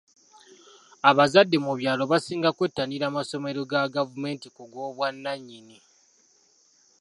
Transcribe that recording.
Abazadde mu byalo basinga kwettanira masomero ga gavumenti ku g'obwannanyini.